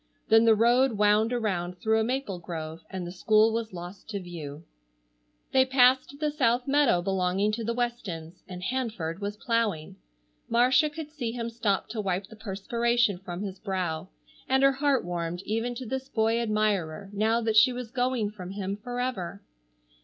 Then the road wound around through a maple grove and the school was lost to view. They passed the South meadow belonging to the Westons, and Hanford was plowing. Marcia could see him stop to wipe the perspiration from his brow, and her heart warmed even to this boy admirer now that she was going from him forever.